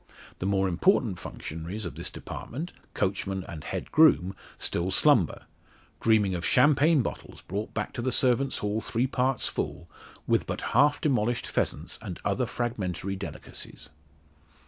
The more important functionaries of this department coachman and head groom still slumber, dreaming of champagne bottles brought back to the servants' hall three parts full with but half demolished pheasants, and other fragmentary delicacies.